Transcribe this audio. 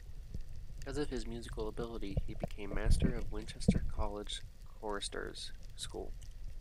Because of his musical ability, he became master of Winchester College Choristers' School.